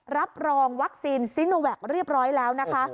รับรองวัคซีนซิโนแวคเรียบร้อยแล้วนะคะ